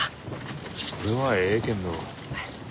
それはえいけんど。